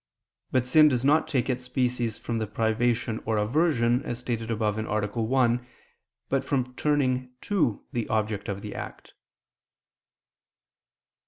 But sin does not take its species from the privation or aversion, as stated above (A. 1), but from turning to the object of the act.